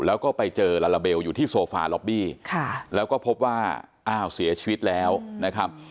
แล้วก็ไปเจอลาลาเบลอยู่ที่โซฟาล็อบบี้แล้วก็พบว่าอ้าวเสียชีวิตแล้วนะครับ